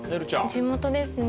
地元ですね。